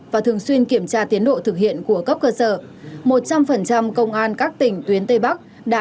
và thường xuyên kiểm tra tiến độ thực hiện của cấp cơ sở một trăm linh công an các tỉnh tuyến tây bắc đã